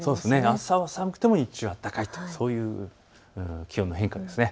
朝は寒くても日中、暖かいというそういう気温の変化です。